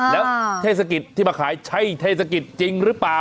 แล้วเทศกิจที่มาขายใช่เทศกิจจริงหรือเปล่า